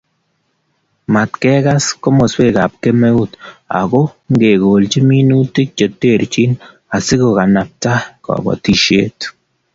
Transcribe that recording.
Matkekas komoswekab kemeut ako ngekolchi minutik che terchin asikokanabta kobotisiet